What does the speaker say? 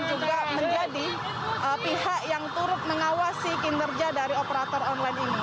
juga menjadi pihak yang turut mengawasi kinerja dari operator online ini